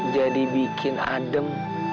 jadi bikin adem